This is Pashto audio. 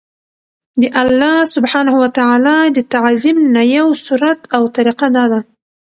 د الله سبحانه وتعالی د تعظيم نه يو صورت او طريقه دا ده